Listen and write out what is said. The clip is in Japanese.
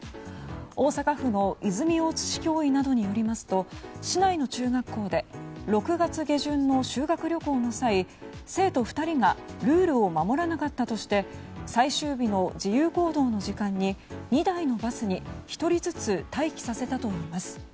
大阪府の泉大津市教委などによりますと市内の中学校で６月下旬の修学旅行の際生徒２人がルールを守らなかったとして最終日の自由行動の時間に２台のバスに１人ずつ待機させたといいます。